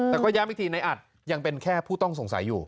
แต่ก็ย้ำอีกทีในอัดยังเป็นแค่ผู้ต้องสงสัยอยู่